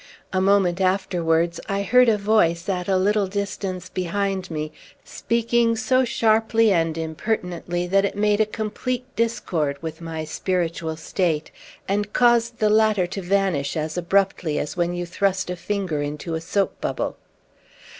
A moment afterwards, I heard a voice at a little distance behind me, speaking so sharply and impertinently that it made a complete discord with my spiritual state, and caused the latter to vanish as abruptly as when you thrust a finger into a soap bubble.